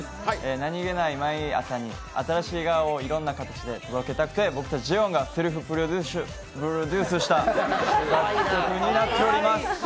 何気ない毎朝にいろんな形で届けたくて僕たちＪＯ１がセルフプロデュースした曲になっております。